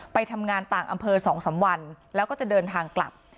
ไปทำงานต่างอำเภอ๒๓วันแล้วก็จะเดินทางกลับ